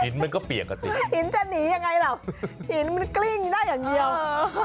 หินมันก็เปียกกว่าเตียงหินจะหนียังไงเหรอหินมันกลิ้งได้อย่างเดียว